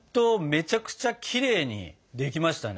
めちゃくちゃきれいにできましたね。